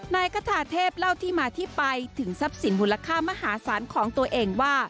นายคาทาเทพเล่าที่มาที่ไปถึงทรัพย์สินมูลค่ามหาศาลของตัวเองว่า